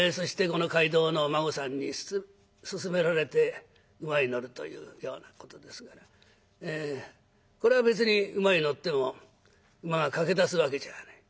この街道の馬子さんに勧められて馬に乗るというようなことですからこれは別に馬に乗っても馬が駆け出すわけじゃない。